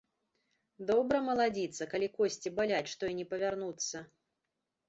Добра, маладзіца, калі косці баляць, што і не павярнуцца.